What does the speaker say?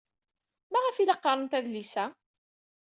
Maɣef ay la qqarent adlis-a?